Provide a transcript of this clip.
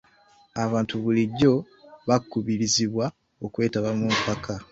Abantu bulijjo bakubirizibwa okwetaba mu mpaka.